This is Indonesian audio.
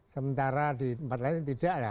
sementara di tempat lain tidak lah